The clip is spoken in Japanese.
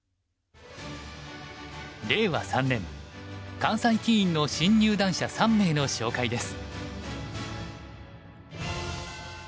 令和三年関西棋院の新入段者３名の紹介です。